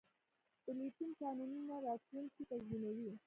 د لیتیم کانونه راتلونکی تضمینوي